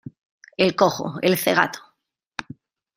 el cojo, el cegato